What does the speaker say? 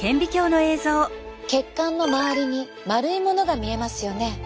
血管の周りに丸いものが見えますよね。